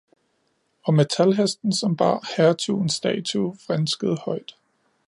og metalhesten, som bar hertugens statue, vrinskede højt.